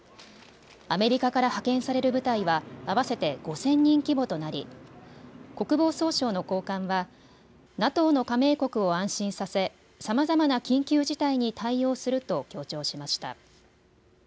アメリカから派遣される部隊は、合わせて５０００人規模となり国防総省の高官はＮＡＴＯの加盟国を安心させさまざまな緊急事態に対応すると強調しました。